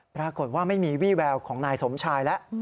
ปรากฏว่าไม่มีวี่แววของนายสมชายแล้ว